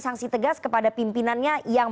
sanksi tegas kepada pimpinannya yang